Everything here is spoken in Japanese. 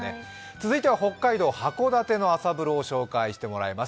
続いては北海道函館の朝風呂を紹介してもらいます。